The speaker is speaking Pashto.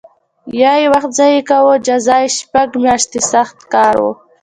یا یې وخت ضایع کاوه جزا یې شپږ میاشتې سخت کار و